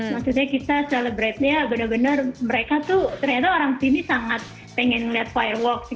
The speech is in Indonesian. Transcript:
maksudnya kita celebrate nya benar benar mereka tuh ternyata orang sydney sangat pengen lihat firework